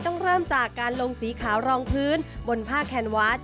ต้องเริ่มจากการลงสีขาวรองพื้นบนผ้าแคนวาส